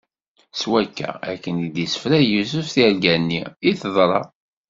S wakka, akken i d-issefra Yusef tirga-nni, i teḍra.